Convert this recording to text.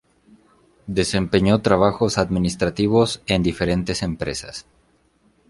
Desempeñó trabajos administrativos en diferentes empresas.